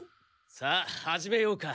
さあ始めようか。